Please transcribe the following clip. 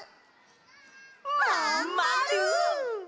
まんまる！